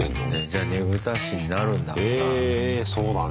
じゃあねぶた師になるんだろうな。